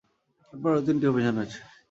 এরপর আরও তিনটি অভিযান হয়েছে।